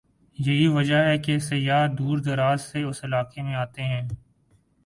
یہی وجہ ہے کہ سیاح دور دراز سے اس علاقے میں آتے ہیں ۔